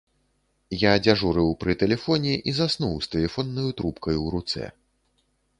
Я дзяжурыў пры тэлефоне і заснуў з тэлефоннаю трубкаю ў руцэ.